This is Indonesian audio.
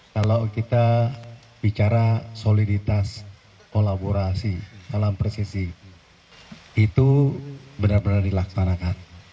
kalau kita bicara soliditas kolaborasi dalam presisi itu benar benar dilaksanakan